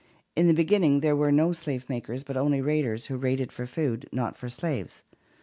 In the beginning there were no slave makers but only raiders who raided for food, not for slaves.